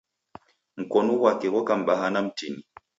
Mkonu ghwake ghoka mbaha na mtini.